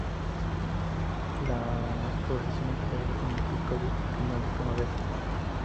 La floración es variable con un pico al final de primavera.